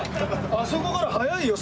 あそこから早いよ